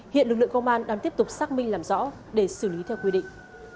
hiện lực lượng công an đang tiếp tục xác minh làm rõ để xử lý theo quy định